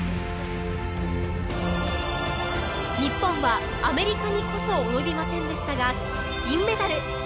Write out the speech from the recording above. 日本はアメリカにこそ及びませんでしたが銀メダル。